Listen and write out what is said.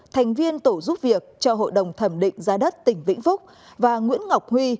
thành viên tổ giúp việc cho hội đồng thẩm định giá đất tỉnh vĩnh phúc và nguyễn ngọc huy